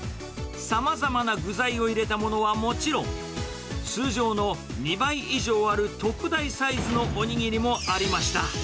さまざまな具材を入れたものはもちろん、通常の２倍以上ある特大サイズのお握りもありました。